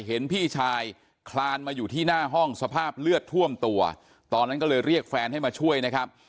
เห็นพี่ชายคลานมาอยู่ที่หน้าห้องสภาพเลือดท่วมตัวตอนนั้นก็เลยเรียกแฟนให้มาช่วยนะครับ